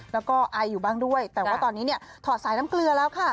แล้วก็ไออยู่บ้างด้วยแต่ว่าตอนนี้เนี่ยถอดสายน้ำเกลือแล้วค่ะ